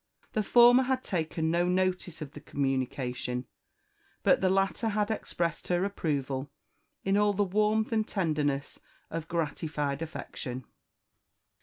The former had taken no notice of the communication, but the latter had expressed her approval in all the warmth and tenderness of gratified affection.